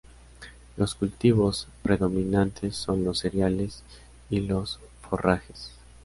Los cultivos predominantes son los cereales y los forrajes.